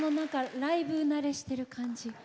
ライブ慣れしている感じ。